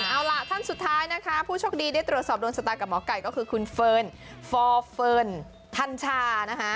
เอาล่ะท่านสุดท้ายนะคะผู้โชคดีได้ตรวจสอบโดนชะตากับหมอไก่ก็คือคุณเฟิร์นฟอร์เฟิร์นธัญชานะคะ